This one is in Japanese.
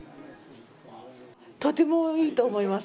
とてもいいと思います。